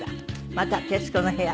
また「徹子の部屋」